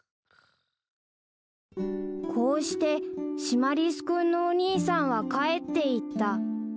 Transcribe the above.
［こうしてシマリス君のお兄さんは帰っていった］